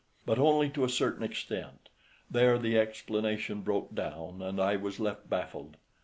But only to a certain extent; there the explanation broke down and I was left baffled.